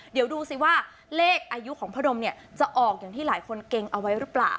เดี๋ยวดูสิว่าเลขอายุของพ่อดมเนี่ยจะออกอย่างที่หลายคนเกรงเอาไว้หรือเปล่า